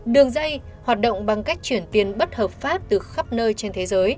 đường dây hoạt động bằng cách chuyển tiền bất hợp pháp từ khắp nơi trên thế giới